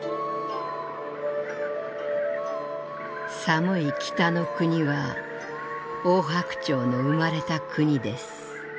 「寒い北の国はオオハクチョウの生まれた国です。